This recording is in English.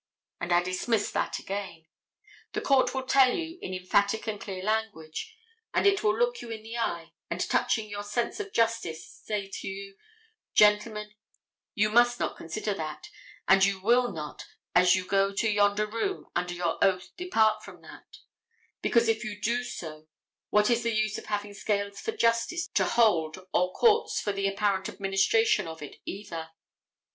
And I dismiss that again. The court will tell you in emphatic and clear language, and it will look you in the eye, and touching your sense of justice, say to you: Gentlemen, you must not consider that, and you will not as you go to yonder room under your oath depart from that, because if you do so what is the use in having scales for justice to hold or courts for the apparent administration of it either.